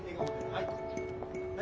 はい。